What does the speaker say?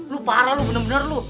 lu parah lu bener bener lu